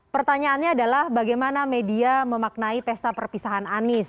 pertanyaannya adalah bagaimana media memaknai pesta perpisahan anies